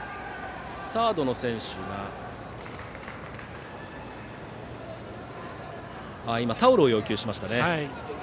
サードの選手がタオルを要求しましたね。